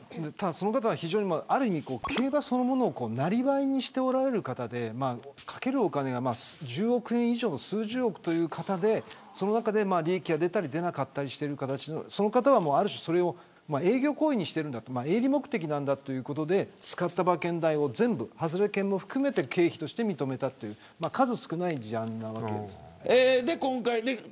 その方は競馬そのものをなりわいにしておられる方でかけるお金が１０億円以上数十億という方でその中で利益が出たり出なかったりしているからその方はある種それを営業行為にしている営利目的なんだということで使った馬券代を全部外れ券を含めて経費として認めたという数少ない事案です。